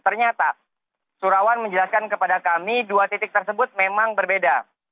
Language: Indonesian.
ternyata surawan menjelaskan kepada kami dua titik tersebut memang berbeda